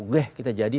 weh kita jadi